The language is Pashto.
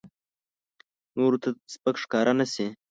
نورو ته سپک ښکاره نه شي.